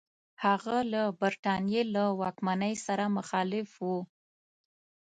هغه له برټانیې له واکمنۍ سره مخالف وو.